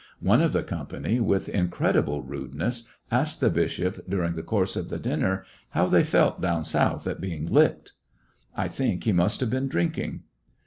One of the company, with in credible rudeness, asked the bishop, during the course of the dinner, how they felt down South at being "licked." I think he must have been drinking.